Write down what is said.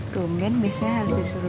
rumahnya biasanya harus disuruh